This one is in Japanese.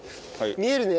見えるね？